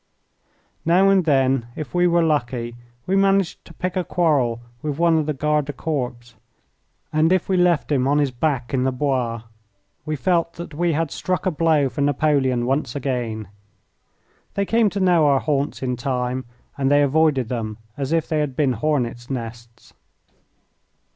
Now and then, if we were lucky, we managed to pick a quarrel with one of the Garde du Corps, and if we left him on his hack in the Bois we felt that we had struck a blow for Napoleon once again. They came to know our haunts in time, and they avoided them as if they had been hornets' nests.